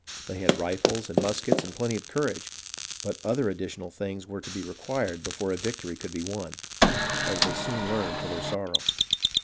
They had rifles and muskets and plenty of courage; but other additional things were to be required before a victory could be won, as they soon learned to their sorrow.